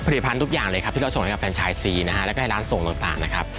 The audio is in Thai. พันธุ์ทุกอย่างเลยครับที่เราส่งให้กับแฟนชายซีนะฮะแล้วก็ให้ร้านส่งต่างนะครับ